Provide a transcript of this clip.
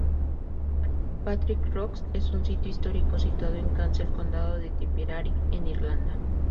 Patrick's Rock, es un sitio histórico situado en Cashel, condado de Tipperary, en Irlanda.